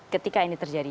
ketika ini terjadi